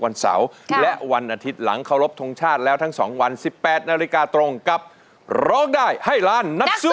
ให้ล้านนักสู้ชิงล้าน